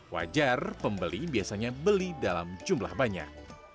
wajar pembeli biasanya beli dalam jumlah banyak